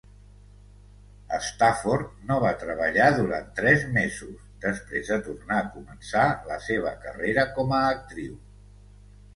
Stafford no va treballar durant tres mesos després de tornar a començar la seva carrera com a actriu.